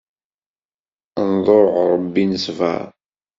Nḍuɛ Ṛebbi, nesbeṛ.